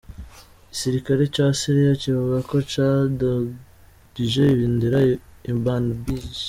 Igisirikare ca Syria kivuga ko cadugije ibendera i Manbij.